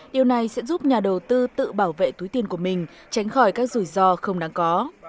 điều này sẽ giúp nhà đầu tư tự bảo vệ túi tiền của mình tránh khỏi các rủi ro không đáng có